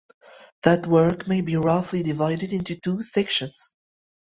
That work may be roughly divided into two sections.